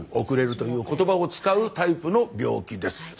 遅れるという言葉を使うタイプの病気です。